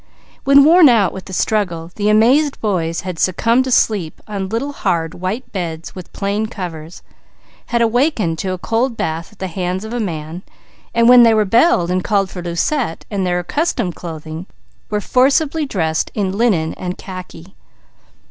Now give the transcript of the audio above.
When worn out with the struggle the amazed boys had succumbed to sleep on little, hard, white beds with plain covers; had awakened to a cold bath at the hands of a man, and when they rebelled and called for Lucette and their accustomed clothing, were forcibly dressed in linen and khaki.